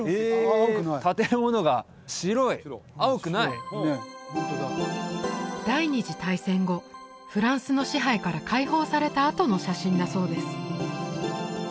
・これは第二次大戦後フランスの支配から解放されたあとの写真だそうです